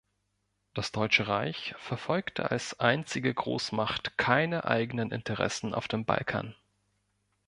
Das Deutsche Reich verfolgte als einzige Großmacht keine eigenen Interessen auf dem Balkan.